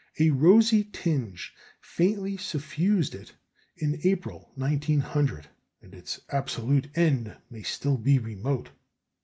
A rosy tinge faintly suffused it in April, 1900, and its absolute end may still be remote.